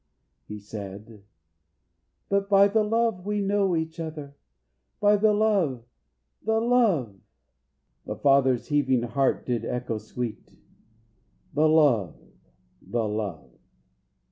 he said, "but by the love, We know each other by the love, the love!" The father's heaving heart did echo sweet, "The love, the love!"